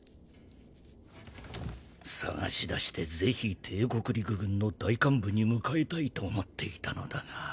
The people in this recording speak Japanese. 捜し出してぜひ帝国陸軍の大幹部に迎えたいと思っていたのだが。